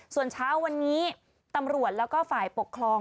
ส่วนเช้าวันนี้ตำรวจแล้วก็ฝ่ายปกครอง